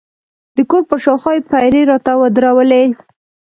د کور پر شاوخوا یې پیرې راته ودرولې.